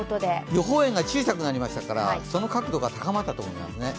予報円が小さくなりましたから、その確度が高まったと思いますね。